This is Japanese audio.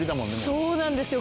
そうなんですよ。